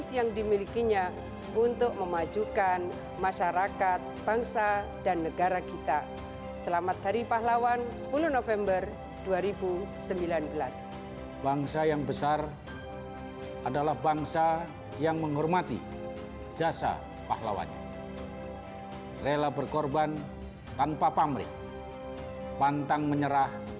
dengan tantangan yang kita hadapi bersama sama sebagai sebuah bangsa